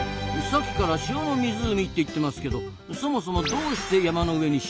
さっきから塩の湖って言ってますけどそもそもどうして山の上に塩があるんですか？